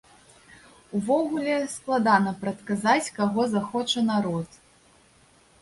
Увогуле, складана прадказаць, каго захоча народ.